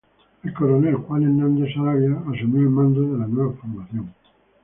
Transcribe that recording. El coronel Juan Hernández Saravia asumió el mando de la nueva formación.